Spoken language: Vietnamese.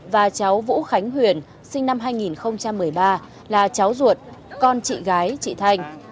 và cháu vũ khánh huyền sinh năm hai nghìn một mươi ba là cháu ruột con chị gái chị thành